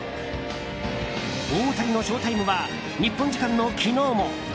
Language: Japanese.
大谷のショータイムは日本時間の昨日も。